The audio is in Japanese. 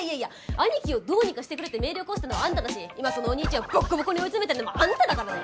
兄貴をどうにかしてくれってメールよこしたのはあんただし今そのお兄ちゃんをボッコボコに追い詰めてんのもあんただからね？